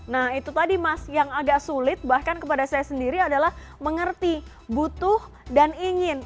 nah itu tadi mas yang agak sulit bahkan kepada saya sendiri adalah mengerti butuh dan ingin